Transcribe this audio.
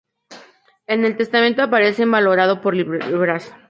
En el testamento aparece valorado por libras.